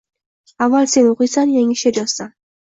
Avval sen o’qiysan yangi she’r yozsam